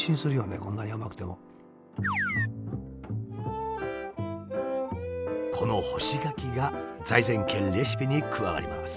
この干し柿が財前家レシピに加わります。